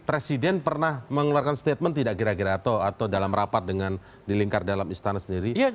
presiden pernah mengeluarkan statement tidak kira kira atau dalam rapat dengan di lingkar dalam istana sendiri